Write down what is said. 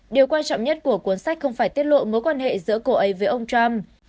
điều quan trọng nhất của cuốn sách không phải tiết lộ mối quan hệ giữa cô ấy với ông trump